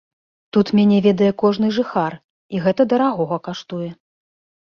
Тут мяне ведае кожны жыхар, і гэта дарагога каштуе.